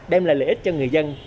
đem lại lợi ích cho người dân